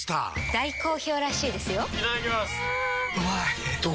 大好評らしいですよんうまい！